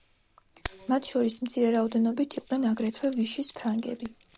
მათ შორის მცირე რაოდენობით იყვნენ აგრეთვე ვიშის ფრანგები.